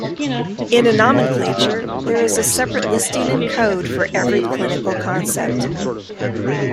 In a nomenclature there is a separate listing and code for every clinical concept.